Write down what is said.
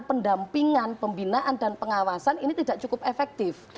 pendampingan pembinaan dan pengawasan ini tidak cukup efektif